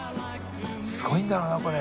すごいんだろうなこれ。